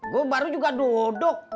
gua baru juga duduk